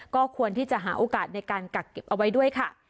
ก็ควรที่จะหาโอกาสในการกักเก็บเอาไว้ด้วยค่ะ